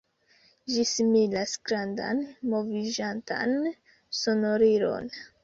Ĝi similas grandan moviĝantan sonorilon.